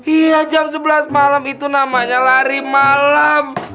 iya jam sebelas malam itu namanya lari malam